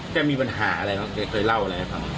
จะมีปัญหาอะไรครับจะเคยเล่าอะไรครับ